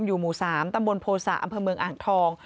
หมู่๓ตำบลโภษะอำเภอเมืองอ่างทอง